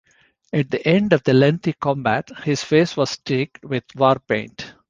At the end of the lengthy combat, his face was streaked with war paint.